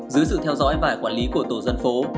dưới sự theo dõi và quản lý của tổ dân phố